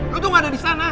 lu tuh gak ada disana